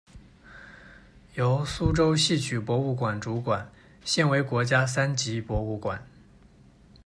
由苏州戏曲博物馆主管，现为国家三级博物馆。